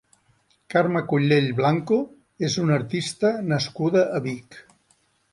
Carme Collell Blanco és una artista nascuda a Vic.